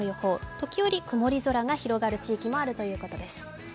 時折、曇り空が広がる地域もあるということです。